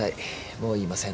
もう言いません。